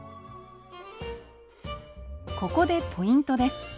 ここでポイントです。